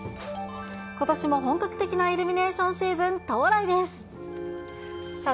ことしも本格的なイルミネーションシーズン到来です。